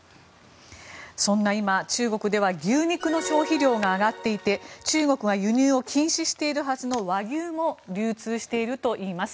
そんな今、中国では牛肉の消費量が上がっていて中国が輸入を禁止しているはずの和牛も流通しているといいます。